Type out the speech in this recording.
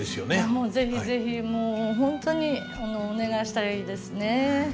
もう是非是非もう本当にお願いしたいですね。